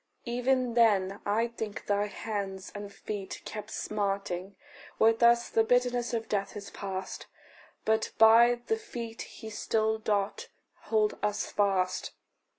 Even then, I think, thy hands and feet kept smarting: With us the bitterness of death is past, But by the feet he still doth hold us fast.